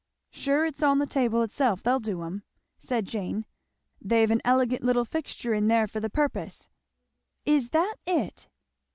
"Sure it's on the table itself they'll do 'em," said Jane. "They've an elegant little fixture in there for the purpose." "Is that it!"